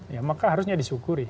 ya maka harusnya disyukuri